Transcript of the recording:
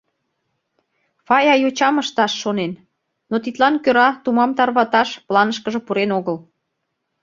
Фая йочам ышташ шонен, но тидлан кӧра тумам тарваташ планышкыже пурен огыл.